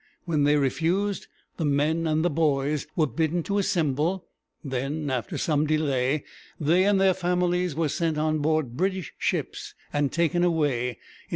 When they refused, the men and boys were bidden to assemble, and then, after some delay, they and their families were sent on board British ships and taken away (1755).